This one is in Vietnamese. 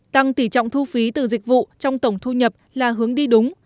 tăng tỷ trọng thu phí từ dịch vụ trong tổng thu nhập là hướng đi đúng